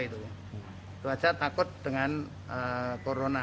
itu saja takut dengan corona